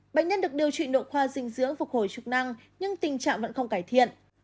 bệnh nhân được điều trị nội khoa dinh dưỡng phục hồi chức năng nhưng tình trạng vẫn không cải thiện